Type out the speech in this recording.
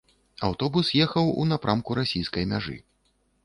Аўтобус ехаў у напрамку расійскай мяжы.